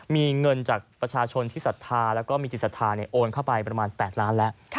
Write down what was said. มีเงินจากประชาชนที่ศรัทธาแล้วก็มีจิตศรัทธาโอนเข้าไปประมาณ๘ล้านแล้ว